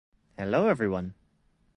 hello everyone